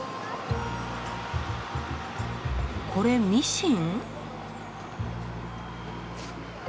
これミシン？